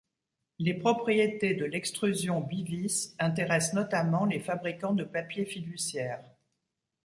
Les propriétés de l'extrusion Bivis intéresse notamment les fabricants de papier fiduciaire.